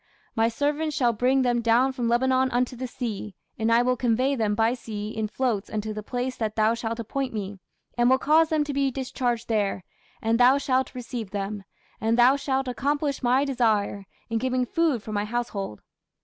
My servants shall bring them down from Lebanon unto the sea: and I will convey them by sea in floats unto the place that thou shalt appoint me, and will cause them to be discharged there, and thou shalt receive them: and thou shalt accomplish my desire, in giving food for my household.